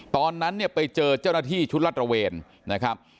ตอนนั้นเนี่ยไปเจอเจ้าหน้าที่ชุดรัฐระเวนนะครับ